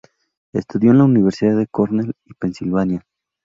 Estudió en la Universidades de Cornell y Pensilvania.